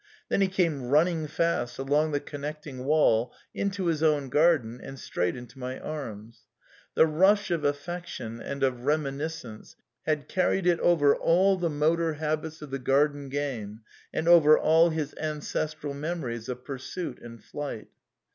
Then he came running fast, along the connecting wall into his own garden, and straight into my arms. The rush of affection and of reminiscence had carried it over all the motor habits of the garden game, and over all his ancestral memories of pursuit and fiight.